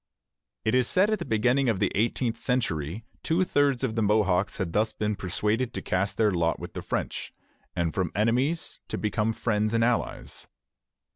It is said that at the beginning of the eighteenth century two thirds of the Mohawks had thus been persuaded to cast their lot with the French, and from enemies to become friends and allies.